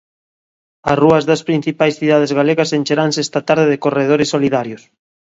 As rúas das principais cidades galegas encheranse esta tarde de corredores solidarios.